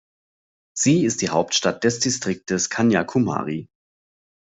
Sie ist Hauptstadt des Distriktes Kanyakumari.